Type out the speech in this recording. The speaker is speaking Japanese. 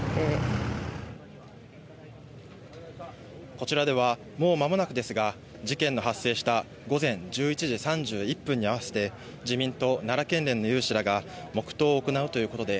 こちらでは、もうまもなくですが、事件が発生した午前１１時３１分に合わせて、自民党奈良県連の有志らが、黙とうを行うということで、